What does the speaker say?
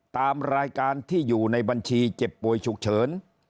ตามรายการที่อยู่ในบัญชีเจ็บป่วยฉุกเฉิน